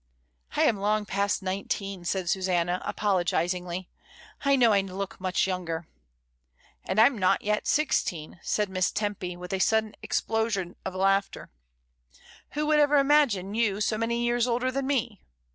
"I am long past nineteen," said Susanna, apolo gisingly. "I know I look much younger." "And Fm not yet sixteen," said Miss Tempy, with a sudden explosion of laughter; "who would ever imagine you so many years older than me?